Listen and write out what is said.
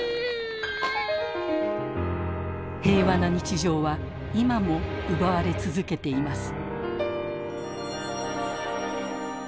平和な日常は今も奪われ続けています。